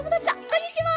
こんにちは！